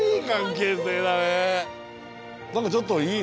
何かちょっといい。